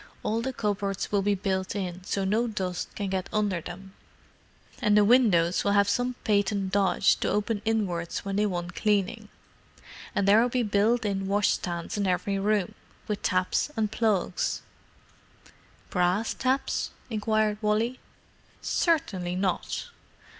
All the cupboards will be built in, so's no dust can get under them, and the windows will have some patent dodge to open inwards when they want cleaning. And there'll be built in washstands in every room, with taps and plugs——" "Brass taps?" queried Wally. "Certainly not."